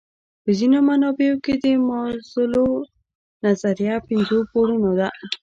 په ځینو منابعو کې د مازلو نظریه پنځو پوړونو ده.